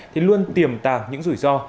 thì luôn tiềm tàng những rủi ro